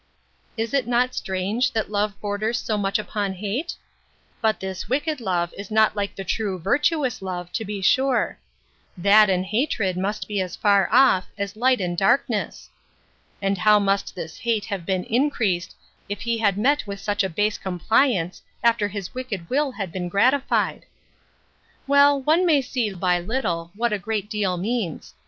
Is it not strange, that love borders so much upon hate? But this wicked love is not like the true virtuous love, to be sure: that and hatred must be as far off, as light and darkness. And how must this hate have been increased, if he had met with such a base compliance, after his wicked will had been gratified. Well, one may see by a little, what a great deal means.